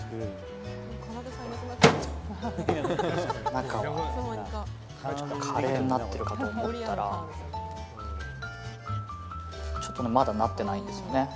中はカレーになっているかと思ったらちょっとまだなってないんですよね。